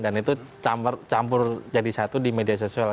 dan itu campur jadi satu di media sosial